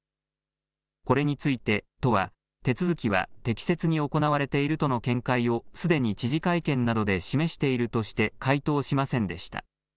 これについて、都は手続きは適切に行われているとの見解をすでに知事会見などで示しているとして回答しませんでした。